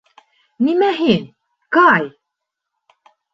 Нимә һин, Кай?